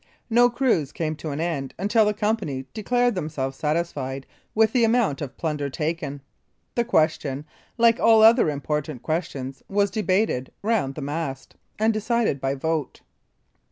No cruise came to an end until the company declared themselves satisfied with the amount of plunder taken. The question, like all other important questions, was debated round the mast, and decided by vote.